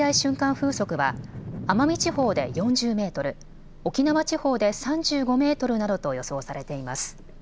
風速は奄美地方で４０メートル、沖縄地方で３５メートルなどと予想されています。